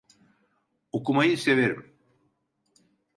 Okumayı severim.